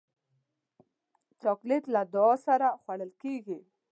چاکلېټ له دعا سره خوړل کېږي.